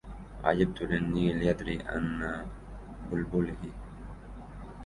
عجبت للنيل يدري أن بلبله